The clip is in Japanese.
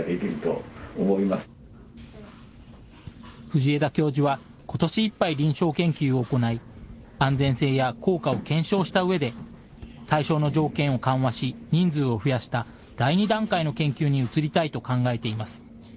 藤枝教授は、ことしいっぱい臨床研究を行い、安全性や効果を検証したうえで、対象の条件を緩和し、人数を増やした第２段階の研究に移りたいと考えています。